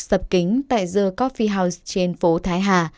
sập kính tại the coffee house trên phố thái hà